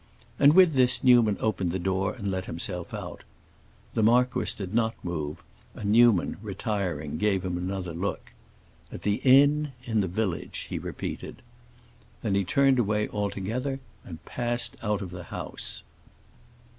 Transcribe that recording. And with this Newman opened the door and let himself out. The marquis did not move, and Newman, retiring, gave him another look. "At the inn, in the village," he repeated. Then he turned away altogether and passed out of the house.